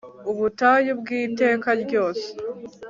Ubutayu bwiteka ryose